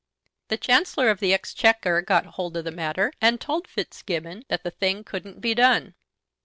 "The Chancellor of the Exchequer got hold of the matter, and told Fitzgibbon that the thing couldn't be done."